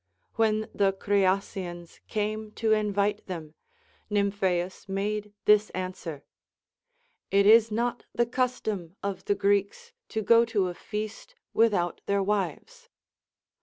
When the Cryassians came to invite them, Nymphaeus made this answer : It is not the custom of the Greeks to go to a feast without their wives.